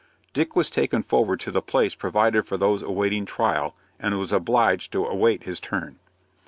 Dick was taken forward to the place provided for those awaiting trial, and was obliged to await his turn.